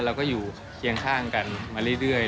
เราก็อยู่เคียงข้างกันมาเรื่อย